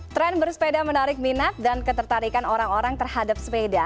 tren bersepeda menarik minat dan ketertarikan orang orang terhadap sepeda